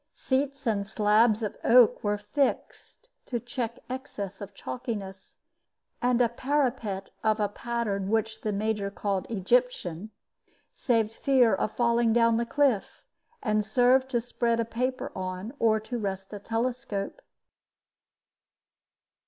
Seats and slabs of oak were fixed to check excess of chalkiness, and a parapet of a pattern which the Major called Egyptian saved fear of falling down the cliff, and served to spread a paper on, or to rest a telescope.